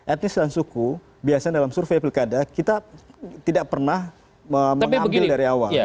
etnis dan suku biasanya dalam survei pilkada kita tidak pernah mengambil dari awal